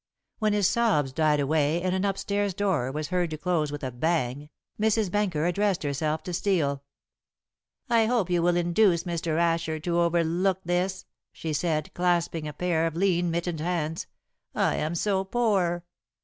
When his sobs died away and an upstairs door was heard to close with a bang, Mrs. Benker addressed herself to Steel. "I hope you will induce Mr. Asher to overlook this," she said, clasping a pair of lean, mittened hands; "I am so poor."